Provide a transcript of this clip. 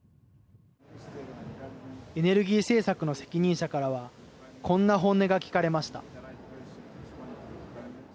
エネルギー政策の責任者からはこんな本音が聞かれました。